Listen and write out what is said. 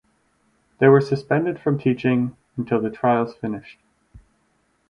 They were suspended from teaching until the trials finished.